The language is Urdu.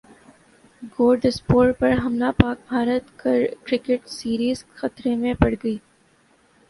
گورداسپور پر حملہ پاک بھارت کرکٹ سیریز خطرے میں پڑگئی